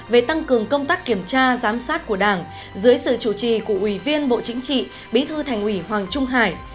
về tăng cường công tác kiểm tra giám sát của đảng dưới sự chủ trì của ủy viên bộ chính trị bí thư thành ủy hoàng trung hải